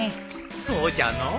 そうじゃのう。